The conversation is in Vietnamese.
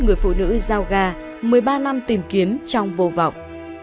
người phụ nữ giao ga một mươi ba năm tìm kiếm trong vô vọng